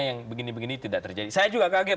yang begini begini tidak terjadi saya juga kaget